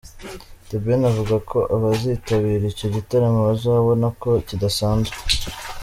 The Ben avuga ko abazitabira icyo gitaramo bazabona ko kidasanzwe.